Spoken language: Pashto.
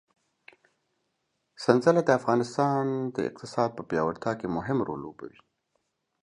سنځله د افغانستان د اقتصاد په پیاوړتیا کې مهم رول لوبوي.